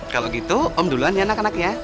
kalau gitu om duluan ya anak anak ya